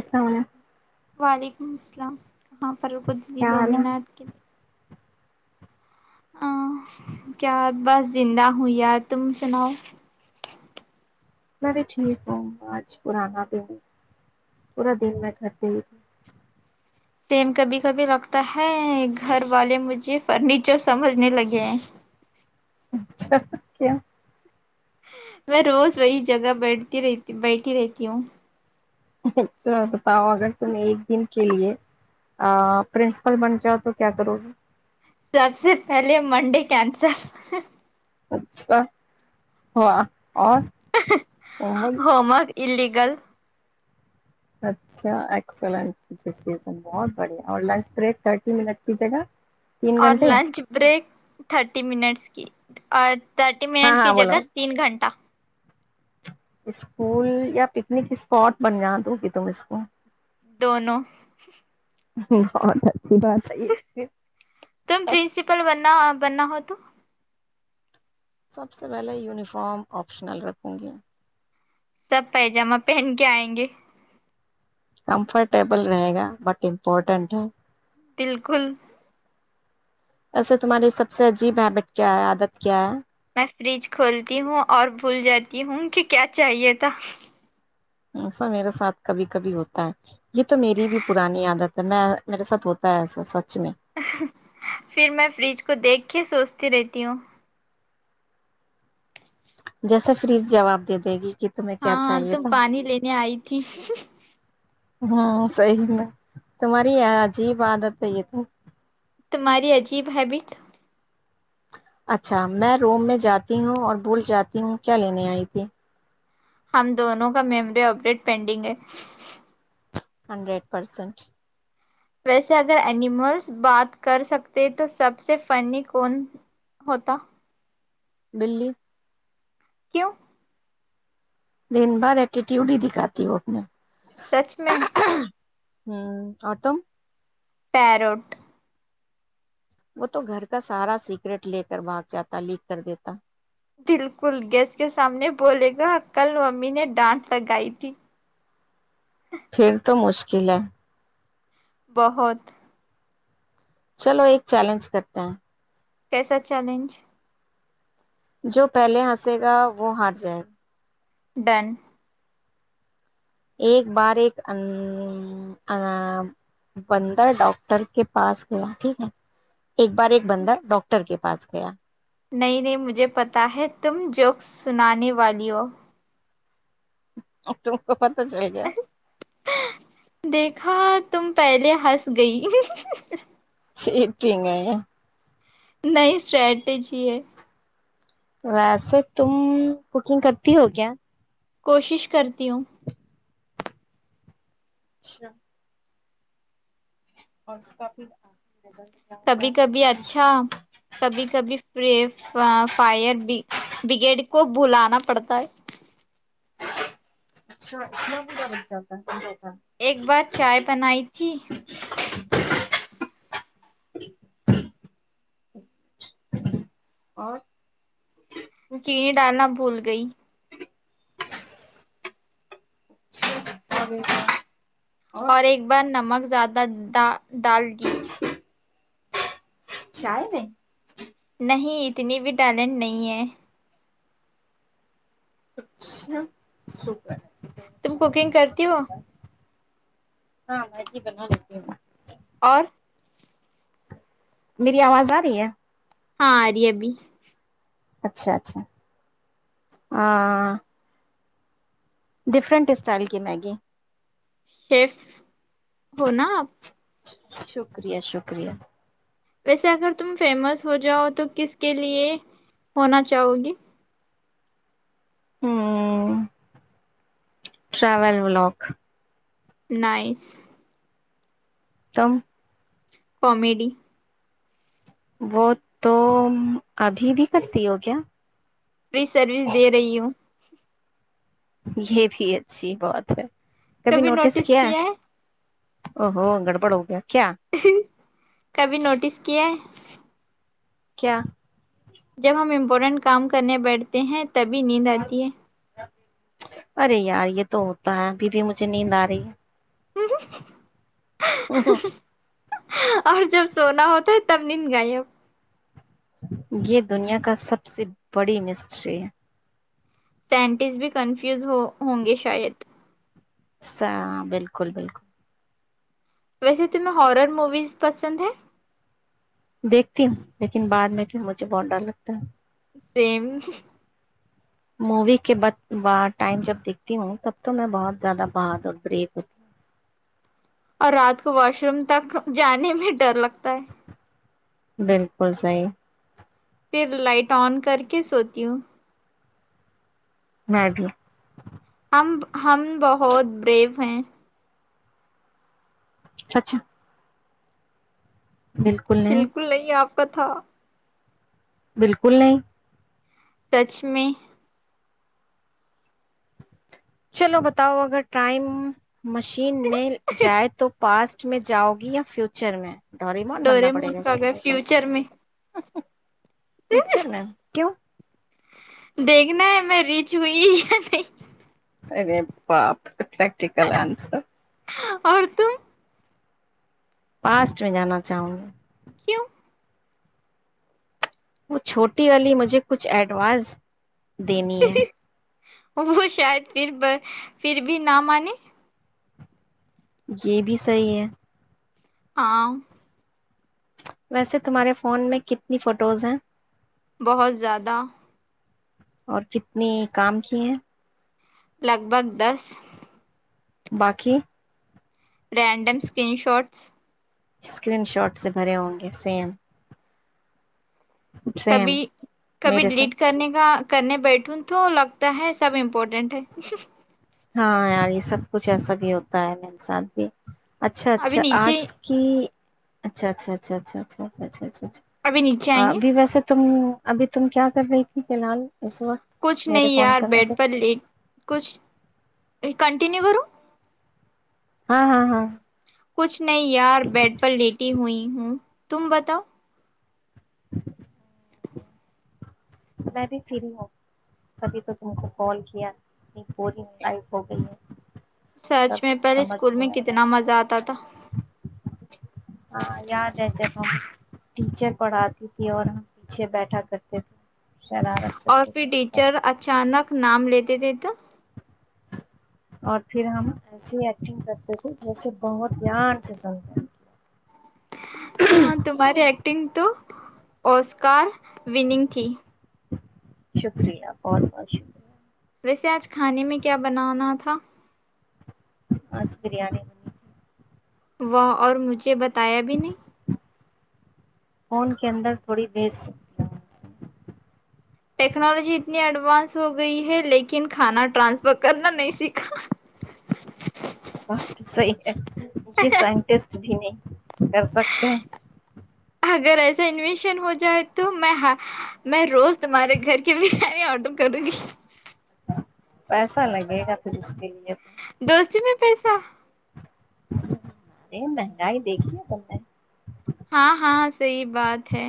السلام علیکم [inaudible] فرقتی کیا دو حال ہے مین اٹ کے ا کیا بس زندہ ہو تم سناؤ میں بھی ٹھیک ہوں آج پرانا دن پورا دن میں گھرتے ہی تھی سیم کبھی کبھی لگتا ہے گھر والے مجھے فرنیچر سمجھنے لگے اچھا کیا میں روز وہی جگہ بیٹھتی رہتی بیٹھی رہتی ہوں اچھا تااؤ اگر تمیں ایک دن کے لیے پرنسپل بن جاؤ تو کیا کرو گے سب سے پہلے منڈے کینسل اچھا ہاں اور وہ بول علیگل اچھا ایکسلینٹ بہت بڑھیا اور لنچ بریک تھرٹی منٹ کی جگہ تین اور گھنٹے لنچ بریک تھرٹی منٹس کی آ تھرٹی ہاں منٹ ہاں کی بولو جگہ تین گھنٹہ اسکول یا پکنک اسپاٹ بنناا دو کہ تم اس کو دونوں ہ [inaudible] بنا ہو تو سب سے پہلے یونیفارم آپشنل رکھوں گی سب پائجامہ پہن کے آئیں گے کمفرٹیبل رہے گا بٹ امپورٹینٹ ہے بالکل ایسے تمہاری سب سے عجیب ہیبٹ کیا ہے عادت کیا ہے میں فریج کھولتی ہوں اور بھول جاتی ہوں کہ کیا چاہیے تھا ایسا میرے ساتھ کبھی کبھی ہوتا ہے یہ تو میری بھی پرانی عادت ہے میں میرے ساتھ ہوتا ہے ایسا سچ میں پھر میں فریج کو دیکھ کے سوچتی رہتی ہوں جیسے فریز جواب دے دے گی کہ تمہیں ہاں کیا ہاں چاہیے تم تھا پانی لینے آئی تھی ہوں صحی میں تمہاری عجیب عادت ہے یہ تو تمہاری عجیب ہیبٹ اچھا میں روم میں جاتی ہوں اور بھول جاتی ہوں کیا لینے آئی تھی ہم دونوں کا میمی اپڈیٹ پینڈنگ ہے ہنڈریڈ پرسنٹ ویسے اگر اینیملس بات کر سکتے تو سب سے فنی کون ہوتا بلی کیوں دن بار ایٹیٹیوڈ ہی دکھاتی وہ اپنے سچ میں ہمم اور تم پیرٹ وہ تو گھر کا سارا سیکریٹ لے کر بھاگ جاتا لکھ کر دیتا بالکل گیسٹ کے سامنے بولے گا کل امی نے ڈانٹ لگائی تھی پھر تو مشکل ہے بہت چلو ایک چیلنج کرتے ہیں کیسا چیلنج جو پہلے ہنسے گا وہ ہار جائے گا ڈن ایک بار ایک بندر ڈاکٹر کے پاس گیا ٹھیک ہے ایک بار ایک بندہ ڈاکٹر کے کے پاس گیا نہیں نہیں مجھے پتا ہے تم جوکس سنانے والی ہو تم کو پتا ہے دیکھا تم پہلے ہس گئی چیٹک ہے یہ نئی اسٹریٹیجی ہے ویسے تم ککنگ کرتی ہو کیا کوشش کرتی ہوں اچھا اور اس کا بھی نظر کبھی کبھی اچھا کبھی کبھی ف فائر بھی بگیڈ کو بلانا پڑتا ہے اچھا اتنا بھی بدد جاتتا ہےے ایک بار چائے بنائی تھی اور ک ڈالناا پھول گئی [inaudible] اور ایک بار نمک زیادہ ڈ ڈال پی چائے میں نہیں اتنی بھی ٹیلنٹ نہیں ہے اچھا شوک ہے تم کوکنگ کرتی ہو ہاں مجی بنا لیتی ہ اور میری آواز آ رہی ہے ہاں آ رہی ابھی اچھا اچھا ہاں ڈفرنٹ اسٹائل کی میگی شیف ہو نا آپ شکریہ شکریہ ویسے اگر تم فیمس ہو جاؤ تو کس کے لیے ہونا چاہو گی ہ ٹرول بلاک نائس تم کامیڈی وہ تو ابھی بھی کرتی ہو کیا فری سروس دے رہی ہوں فےث یہ بھی اچھی بہات ہے کبھی نوٹس کیا ہے ا ہوو گڑبڑ ہو گیا کیا کبھی نوٹس کیا ہے کیا جب ہم امپورٹنٹ کام کرنے بیٹھتے ہیں تبھی نیند آتی ہے ارے یار یہ تو ہوتا ہے ابھی بھی مجھے نیند آ رہی ہے [inaudible] ہ ہوں اور جب سونا ہوتا ہے تب ند گئی اب یہ دنیا کا سب سے بڑی مسٹری ہے سائنٹسٹ بھی کنفیوز ہوں گے شاید س بالکل بالکل ویسے تمہیں ہارر موویز پسند ہے دیکھتی ہوں لیکن بعد میں پھر مجھے بہت ڈر لگتا ہے سیم مووی کےار ٹائم جب دیکھتی ہوں تب تو میں بہت زیادہ بات اور بریک ہوتی ہوں اور رات کو واش روم تک جانے میں ڈر لگتا کتا بالکل سی پھر لائٹ آن کر کے سوتی ہوں مگی ہم ہم بہت بریو ہیں سچا بالکل نہیں آپ کتا بالکل نہیں سچ میں چلو بتاؤ اگر ٹائم مشین میں جائے تو پاسٹ میں جاؤ گی یا فیوچر میں ڈوریمون بننا ڈرے پڑے مون گا اس کا کے گئے فیوچر میں فچر مم کیوں دیکھنا ہے میں ریچ ہوئی یا نہیں ارے باپ پریکٹیکل آنسر اور ت پاسٹ میں جانا چاہوں گی کیوں وہ چھوٹی والی مجھے کچھ ایڈواز دین ہے وہ شاید پھر پھر بھی نہ مان یہ بھی صحیح ہے ہ ویسے تمہارے فون میں کتنی فوٹوز ہیں بہت زیادہ اور کتنی کام کیے لگ بھگ دس باقی random screen shots screen shot سے بھرے ہوں گے سیم کبھی سیم کبھی میرے سب ڈیلیٹ کرنے کا کرنے بیٹھوں تو لگتا ہے سب امپورٹینٹ ہے ہاں یار یہ سب کچھ ایسا بھی ہوتا ہے میرے ساتھ بھی اچھا ابھی اچھا نیچے آج کی اچھا اچھا اچھا اچھ اچھچ اچھاچا ابھی نیچے اا آئیں گے ابھی ویسے تم ابھی تم کیا کر رہی تھی فی الحال اس کچھ وقت میرے نہیں فون یار کرنے بیڈ سے پر لی کچھ کنٹیینیو کرو ہاں ہاں ہاں پچھ نہیں یار بیڈ پر لیٹی ہوئی ہوں تبتا تو تو میں بھی فری ہوں کبھی تو تم کو کال کیا پوری نائف ہو گئی ہے سب سچ میں پہلے سمجھ اسکول میں نہیں آ رہا کتنا مزہ آتا تھا ہاں یاد ہے چب ٹیچر پڑھاتی تھی اور ہم پیچھے بیٹھا کرتے تھے شرارت اور کرتے پھر تھے بیٹھ ٹیچر اچانک نام لیتے تو اور پھر ہم ایسیے ایکٹنگ کرتے تھے جیسے بہت دھیان سے سنتے ہاں تمہاری ایکٹنگ تو اوسکار وننگ تھی شکریہ بہت بہت شکریہ ویسے آج کھانے میں کیا بنانا تھا آج بریانی وہ اور مجھے بتایا بھی نہیں فون کے اندر تھوڑی بیج سکتی ٹیکنالوجی اتنی ایڈوانس ہو گئی ہے لیکن کھانا ٹرانسفر کرنا نہیں سیکھا بق تو صحیح ہے یہ سائنٹسٹ بھی نہیں کر سکتے ہیں اگر ایسا انویشن ہو جائے تو میں میں روز تمہارے گھر کی بریانی آڈر کرو گی پیسا لگے گا کچھ اس کے لیے تو دوست جی میں پیسہ نہیں مہنگائی دیکھی ہے ب نے ہاں ہاں صحی بات ہے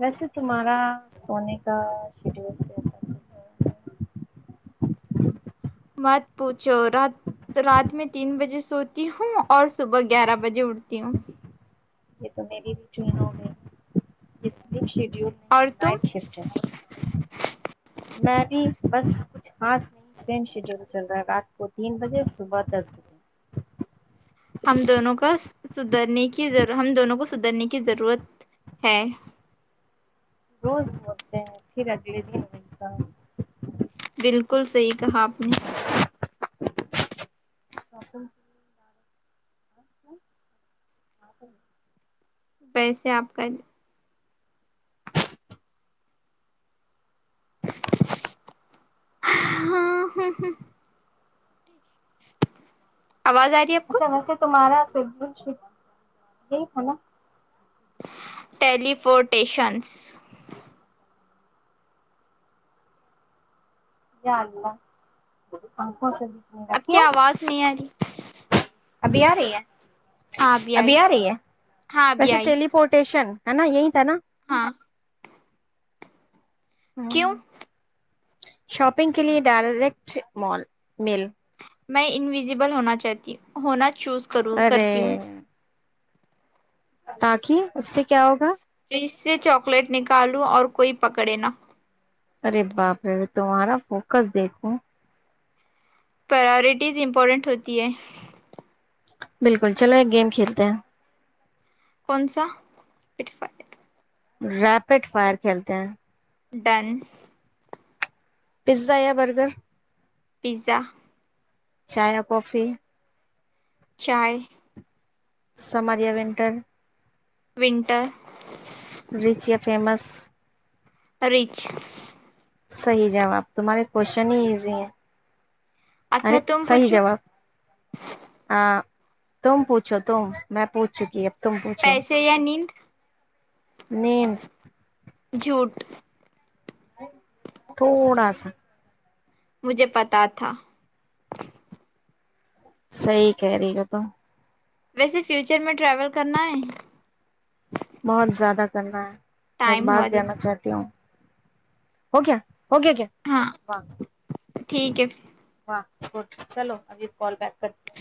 ویسے تمہارا سونے کا شیڈیول کیسا چل رہا ہے مات پوچھو رات رات میں تین بجے سوتی ہوں اور صبح گیارہ بجے اٹتی تی یہ تو میری بھی چناؤ ہے اس شیڈیول اور نہیں تم نائٹ شفٹ میں بھی بس کچھ خاص نہیں، سیم شیڈول چل رہا ہے رات کو تین بجے صبح دس بجے ہم دونوں کونے ہم دونوں کو سدھرنے کی ضرورت ہے روز متے ہیں پھر اگلے د کا بالکل صحی کہا آپ نے [inaudible] پیسے آپ کا [inaudible] آواز آ رہی ہے آپ کو اچھا ویسے تمہارا س شپ یہ تھا تھا نا ٹیلیفورٹیشنس جی جانا ہمم کو ہو س بھی اب کیا آواز نہیں آ رہی ابھی آ رہی ہیں ہاں آئی ابھی آ رہی ہے ہاں ویسے ٹیلی پورٹیشن ہ نا یہی ت نا آ ہوں، کیوں شاپنگ کے لیے ڈائریکٹ مال مل میں انوزیبل ہونا چاہتی ہ ہونا چوز کر ارے کرتی ہوں تاکہ اس سے کیا ہوگا اس سے چاکلیٹ نکالوں اور کوئی پکڑے نا ارے باپ رے تمہارا فوکس دیکھو پرورٹیز امپورٹنٹ ہوتی ہے بالکل چلو ایک گیم کھیلتے ہیں کون سا پف ریپڈ فائر کھیلتے ہیں ڈن پیزا یا برگر پزا چایا کوفی چائے سمر یا ونٹر ونٹر ریچ یا فیمس رچ [inaudible] صحیح جواب تمہارے کوشچن ہی ایزی ہیں ارے اچھا تم سی پوچھو جاب آ تم پوچھو تم میں پوچھ چکی ا پیسے یا نیند نیند جھوٹ تھوڑا سا مجھے پتا تھا سحی کہہ رہی ہے تو ویسے فیوچر میں ٹریول کرنا ہے بہت زیادہ کرنا ہے بس ٹائم باہر ہوا دیدی جانا چاہتی ہوں ہو کیایا اوکے اوکے ہاں ٹھیک ہے چلو ابھی کال بیک کرتی ہ